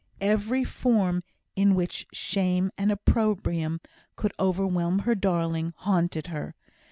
Every form in which shame and opprobrium could overwhelm her darling, haunted her.